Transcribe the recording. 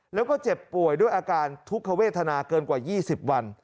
แล้วก็เจ็บป่วยด้วยอาการทุกขเวทนาเกินกว่า๒๐วัน